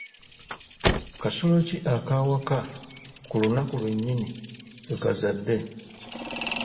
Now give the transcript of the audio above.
Kasolo ki akawaka ku lunaku lwennyini lwe kazadde?